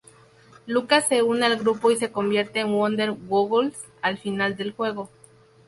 Luka se une al grupo y se convierte en Wonder-Goggles al final del juego.